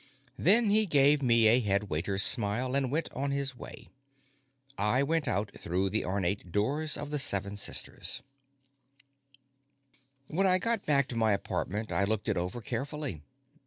Then he gave me a headwaiter's smile and went on his way. I went on out through the ornate doors of the Seven Sisters. When I got back to my apartment, I looked it over carefully.